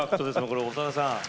これ長田さん